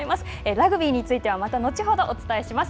ラグビーについては、また後ほどお伝えします。